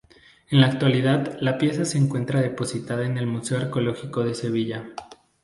En la actualidad, la pieza se encuentra depositada en el Museo Arqueológico de Sevilla.